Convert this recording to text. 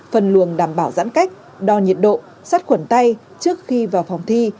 phân luồng đảm bảo giãn cách đo nhiệt độ sắt khuẩn tay trước khi vào phòng thi